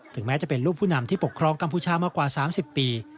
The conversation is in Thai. แม้จะเป็นลูกผู้นำที่ปกครองกัมพูชามากว่า๓๐ปี